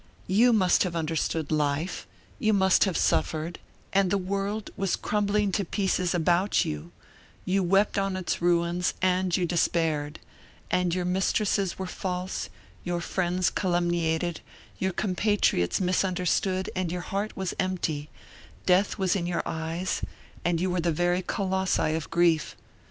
You must have understood life, you must have suffered, and the world was crumbling to pieces about you, you wept on its ruins and you despaired; and your mistresses were false; your friends calumniated, your compatriots misunderstood; and your heart was empty; death was in your eyes, and you were the very Colossi of grief.